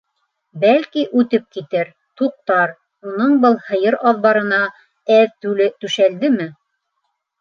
«Бәлки, үтеп китер, туҡтар, уның был һыйыр аҙбарына әҙ түле түшәлдеме?»